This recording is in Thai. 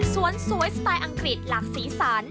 สวยสไตล์อังกฤษหลากสีสัน